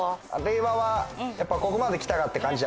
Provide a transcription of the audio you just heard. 令和はやっぱここまできたかって感じ